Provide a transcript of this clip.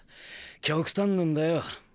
極端なんだよ。